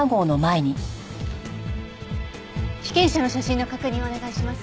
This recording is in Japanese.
被験者の写真の確認をお願いします。